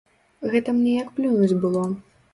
Гэта мне як плюнуць было.